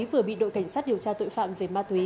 vừa bị đội cảnh sát điều tra tội phạm về ma túy